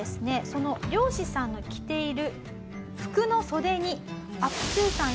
その漁師さんの着ている服の袖にアプスーさん